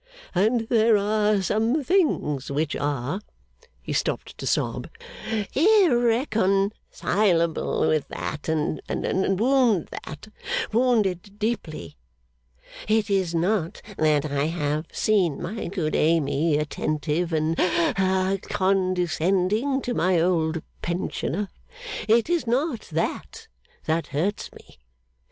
And there are some things which are,' he stopped to sob, 'irreconcilable with that, and wound that wound it deeply. It is not that I have seen my good Amy attentive, and ha condescending to my old pensioner it is not that that hurts me.